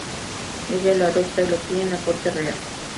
Ella lo adopta y lo cría en la corte real.